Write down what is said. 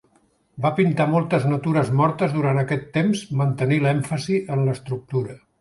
Va pintar moltes natures mortes durant aquest temps, mantenint l'èmfasi en l'estructura.